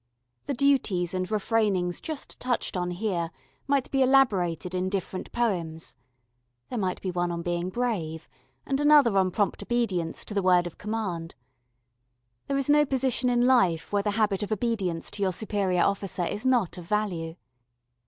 The duties and refrainings just touched on here might be elaborated in different poems. There might be one on being brave, and another on prompt obedience to the word of command. There is no position in life where the habit of obedience to your superior officer is not of value.